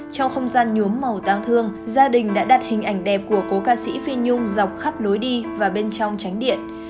trong không gian nhuốm màu tang thương gia đình đã đặt hình ảnh đẹp của cố ca sĩ phi nhung dọc khắp lối đi và bên trong tránh điện